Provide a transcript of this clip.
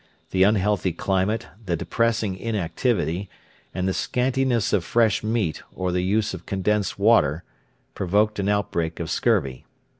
The unhealthy climate, the depressing inactivity, and the scantiness of fresh meat or the use of condensed water, provoked an outbreak of scurvy.